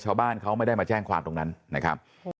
ชาวบ้านเขาไม่ได้มาแจ้งความตรงนั้นนะครับ